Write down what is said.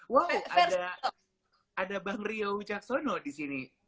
wow ada bang rio ucaksono disini